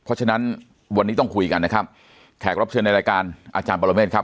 เพราะฉะนั้นวันนี้ต้องคุยกันนะครับแขกรับเชิญในรายการอาจารย์ปรเมฆครับ